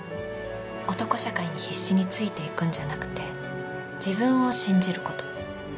男社会に必死についていくんじゃなくて自分を信じる事。